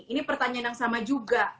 ini pertanyaan yang sama juga